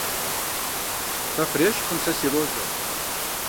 Фэ фрещхькъым сэ си розэм.